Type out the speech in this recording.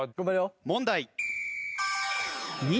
問題。